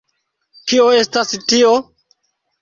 Kio estas tio?